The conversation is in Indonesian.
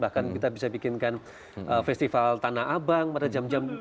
bahkan kita bisa bikinkan festival tanah abang pada jam jam